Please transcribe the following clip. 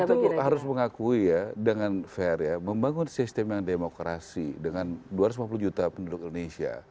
kita harus mengakui ya dengan fair ya membangun sistem yang demokrasi dengan dua ratus lima puluh juta penduduk indonesia